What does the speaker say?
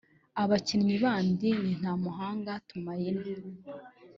Abakinnyi bandi ni Ntamuhanga Tumaini